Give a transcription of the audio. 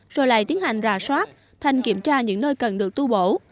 rồi lại tiến hành rà soát thanh kiểm tra những nơi cần được tu bổ